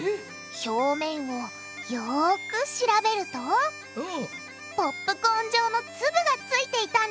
表面をよく調べるとポップコーン状の粒がついていたんですって！